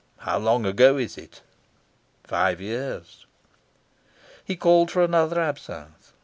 "How long ago is it?" "Five years." He called for another absinthe.